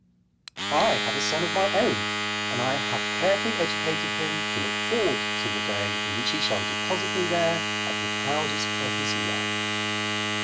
I have a son of my own, and I have carefully educated him to look forward to the day in which he shall deposit me there as the proudest of his life.